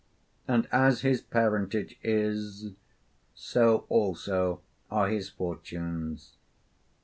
And as his parentage is, so also are his fortunes.